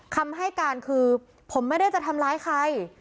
คำให้การคือผมไม่ได้จะทำร้ายใคร